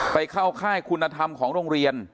ไปเข้าค่ายคุณธรรมของโรงเรียน